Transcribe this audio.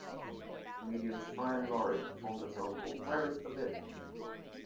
Comedians Fry and Laurie performed a song called "Where is the Lid?".